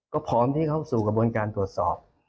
ก็พร้อมที่เข้าสู่กระบวนการตรวจสอบ